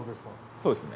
そうですね。